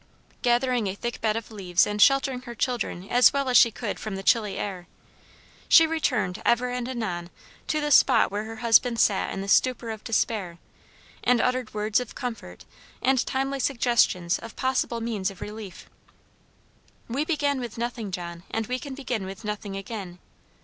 Gathering a thick bed of leaves and sheltering her children as well as she could from the chilly air, she returned ever and anon to the spot where her husband sat in the stupor of despair, and uttered words of comfort and timely suggestions of possible means of relief. "We began with nothing, John, and we can begin with nothing again.